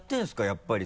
やっぱり。